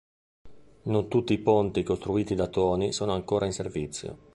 Non tutti i ponti costruiti da Toni sono ancora in servizio.